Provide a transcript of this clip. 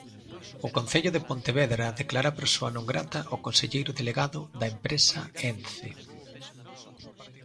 O concello de Pontevedra declara persoa non grata o conselleiro delegado da empresa Ence.